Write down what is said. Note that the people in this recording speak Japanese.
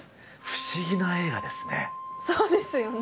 不思議な映画ですね。